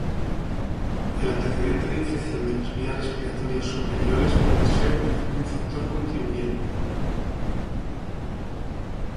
El antecedente de infección de las vías respiratorias superiores puede ser un factor contribuyente.